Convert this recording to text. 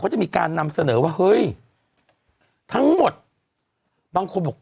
จะมีการนำเสนอว่าเฮ้ยทั้งหมดบางคนบอก